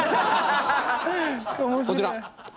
こちら！